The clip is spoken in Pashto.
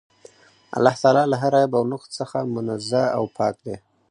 الله تعالی له هر عيب او نُقص څخه منزَّه او پاك دی